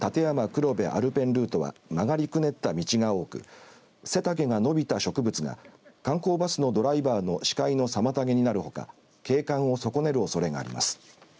黒部アルペンルートは曲がりくねった道が多く背丈が伸びた植物が観光バスのドライバーの視界の妨げになるほか景観を損ねるおそれがあります。